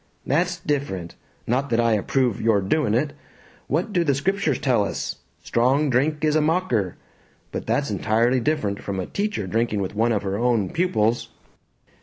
"That's different. Not that I approve your doing it. What do the Scriptures tell us? 'Strong drink is a mocker'! But that's entirely different from a teacher drinking with one of her own pupils."